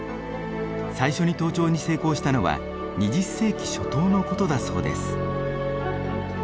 最初に登頂に成功したのは２０世紀初頭のことだそうです。